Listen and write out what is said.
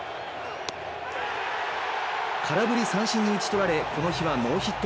空振り三振に打ち取られ、この日はノーヒット。